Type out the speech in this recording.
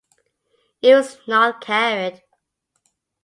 It was not carried.